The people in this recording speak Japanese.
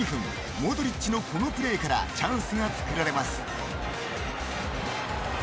モドリッチのこのプレーからチャンスが作られます。